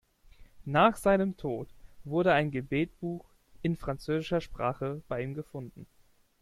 Nach seinem Tod wurde ein Gebetbuch in französischer Sprache bei ihm gefunden.